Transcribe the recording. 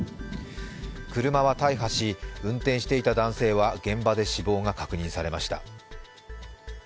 車は大破し、運転していた男性は現場で死亡が確認されました。